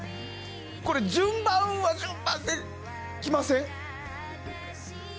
順番は順番で来ません？